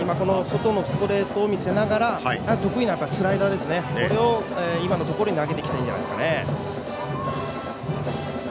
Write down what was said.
外のストレートを見せながら得意なスライダーを今のところに投げていきたいんじゃないですか。